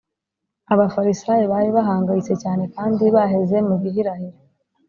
abafarisayo bari bahangayitse cyane kandi baheze mu gihirahiro